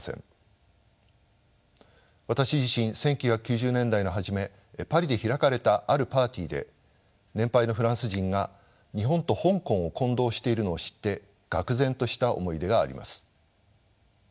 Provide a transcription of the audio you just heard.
私自身１９９０年代の初めパリで開かれたあるパーティーで年配のフランス人が日本と香港を混同しているのを知って愕然とした思い出があります。